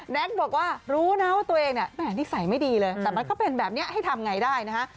บอกว่ารู้นะว่าตัวเองเนี่ยนิสัยไม่ดีเลยแต่มันก็เป็นแบบนี้ให้ทำไงได้นะฮะ